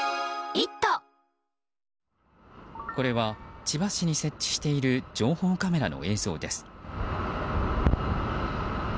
これは、千葉市に設置している情報カメラの映像です。